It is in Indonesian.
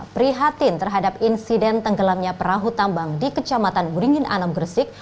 prihatin terhadap insiden tenggelamnya perahu tambang di kecamatan wuringin anom gresik